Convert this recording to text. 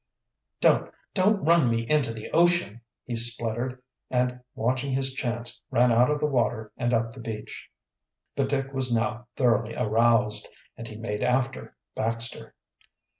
"Don't don't run me into the ocean!" he spluttered, and, watching his chance, ran out of the water and up the beach. But Dick was now thoroughly aroused, and he made after Baxter.